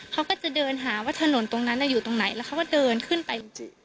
เขาก็จะเดินหาว่าถนนตรงนั้นอยู่ตรงไหนแล้วเขาก็เดินขึ้นไปจริง